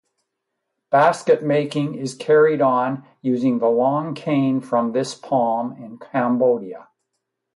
Basket making is carried on using the long cane from this palm in Cambodia.